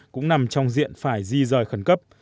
cũng nằm trong diện phải di rời khẩn cấp